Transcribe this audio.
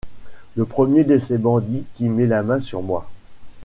Le premier de ces bandits qui met la main sur moi…